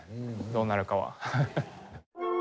どうなるかは。